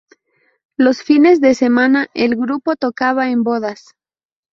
Los fines de semana, el grupo tocaba en bodas.